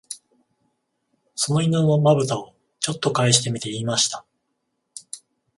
その犬の眼ぶたを、ちょっとかえしてみて言いました